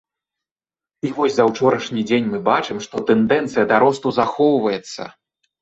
І вось за ўчорашні дзень мы бачым, што тэндэнцыя да росту захоўваецца.